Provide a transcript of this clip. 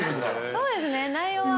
そうですね内容は。